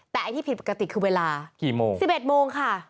แต่ที่ผิดปกติคือเวลา๑๑โมงค่ะ